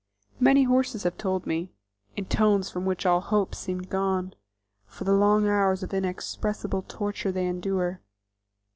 Many horses have told me, in tones from which all hope seemed gone, of the long hours of inexpressible torture they endure.